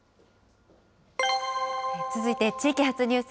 続いて地域発ニュース。